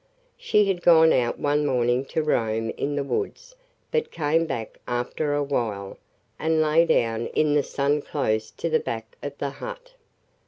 She had gone out one morning to roam in the woods but came back after a while and lay down in the sun close to the back of the hut.